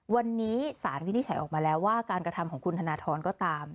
วันนี้สารวินิจฉัยออกมาแล้วว่าการกระทำของคุณธนทรก็ตาม